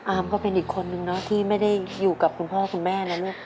ก็เป็นอีกคนนึงเนอะที่ไม่ได้อยู่กับคุณพ่อคุณแม่นะลูก